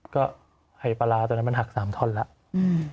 ก็ไข่ปลาร้าตอนนั้นมันหัก๓ท่อนแล้ว